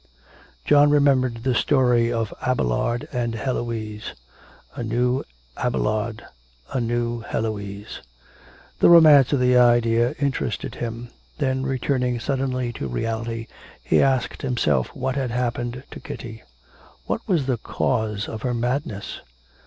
John remembered the story of Abelard and Heloise. A new Abelard a new Heloise! The romance of the idea interested him. Then returning suddenly to reality, he asked himself what had happened to Kitty what was the cause of her madness?